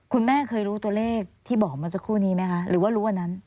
คุณแม่เคยรู้ตัวเลขที่บอกมาสักครู่นี้ไหมคะหรือว่ารู้วันนั้น